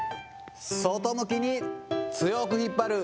外向きに強く引っ張る。